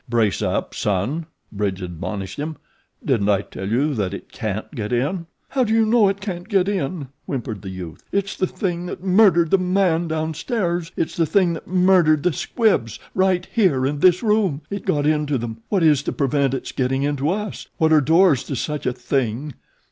"Brace up, son," Bridge admonished him. "Didn't I tell you that it can't get in?" "How do you know it can't get in?" whimpered the youth. "It's the thing that murdered the man down stairs it's the thing that murdered the Squibbs right here in this room. It got in to them what is to prevent its getting in to us. What are doors to such a THING?"